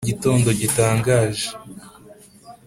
igitondo gitangaje